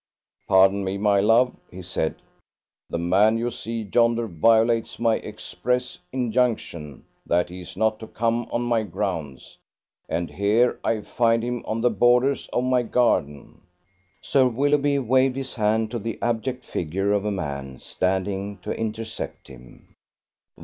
"Pardon me, my love," he said. "The man you see yonder violates my express injunction that he is not to come on my grounds, and here I find him on the borders of my garden!" Sir Willoughby waved his hand to the abject figure of a man standing to intercept him.